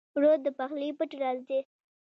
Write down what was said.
اوړه د پخلي پټ راز دی